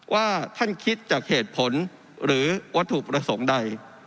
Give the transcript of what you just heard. ว่าท่านคิดจากเหตุผลหรือวัตถุประสงค์ใด